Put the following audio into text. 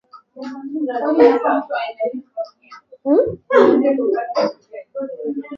Kulingana na Wajackoya reli hiyo hiyo ni ishara ya ukoloni